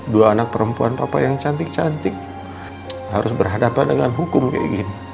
dua anak perempuan papa yang cantik cantik harus berhadapan dengan hukum kayak gini